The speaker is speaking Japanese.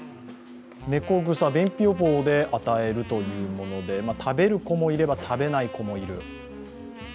猫草、便秘予防で与えるというもので食べる子もいれば食べない子もいる。